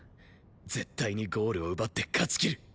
絶対にゴールを奪って勝ちきる！